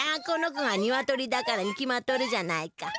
この子がニワトリだからに決まっとるじゃないか。